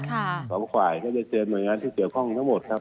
ต่อไปก่อนถ่ายจะเตรียมหน่อยละที่เกี่ยวข้องของเราหมดครับ